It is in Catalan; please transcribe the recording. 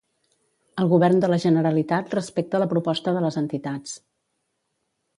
El govern de la Generalitat respecta la proposta de les entitats.